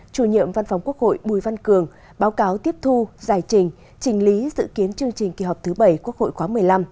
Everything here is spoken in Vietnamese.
chủ nhiệm văn phòng quốc hội bùi văn cường báo cáo tiếp thu giải trình trình lý dự kiến chương trình kỳ họp thứ bảy quốc hội khóa một mươi năm